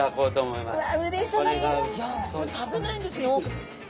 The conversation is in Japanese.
いや普通食べないんですよ。